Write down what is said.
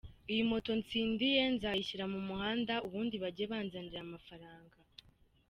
iyi moto ntsindiye nzayishyira mu muhanda ubundi bajye banzanira amafaranga.